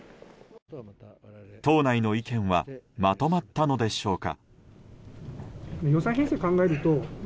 党内の意見はまとまったのでしょうか。